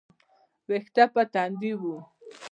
ويښته پر تندي وه.